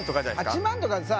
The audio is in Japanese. ８万とかさ